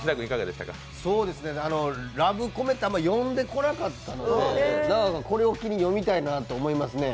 ラブコメって、あんま読んでこなかったのでこれを機に読みたいなと思いますね。